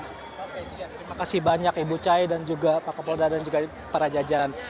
terima kasih banyak ibu chai dan juga pak kepolda dan juga para jajanan